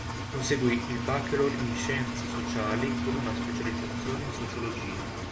Conseguì il Bachelor in scienze sociali con una specializzazione in sociologia.